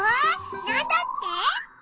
なんだって？